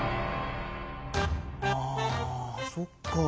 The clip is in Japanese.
あそっか。